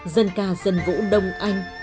dân ca dân vũ đông anh